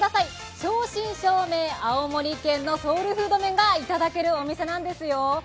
正真正銘青森県のソウルフードがいたただけるお店なんですよ。